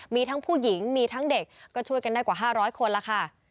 มีทั้งผู้หญิงมีทั้งเด็กก็ช่วยกันได้กว่า๕๐๐คนแล้วค่ะ